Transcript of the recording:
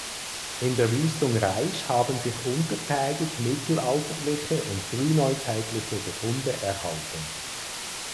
In der Wüstung Raisch haben sich untertägig mittelalterliche und frühneuzeitliche Befunde erhalten.